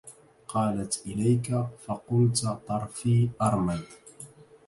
قالت إليك فقلت طرفي أرمد